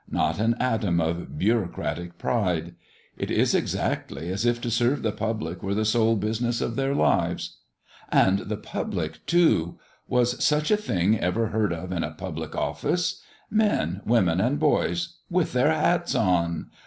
not an atom of bureaucratic pride! It is exactly as if to serve the public were the sole business of their lives. And the public too! Was such a thing ever heard of in a public office? Men, women, and boys, with their hats on!